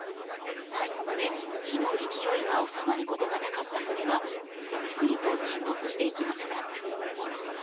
最後まで火の勢いが収まることがなかった船はゆっくりと沈没していきました。